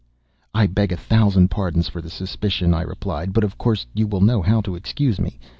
"I beg a thousand pardons for the suspicion," I replied, "but of course you will know how to excuse me.